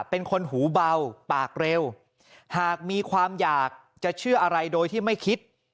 เป็นคนหูเบาปากเร็วหากมีความอยากจะเชื่ออะไรโดยที่ไม่คิด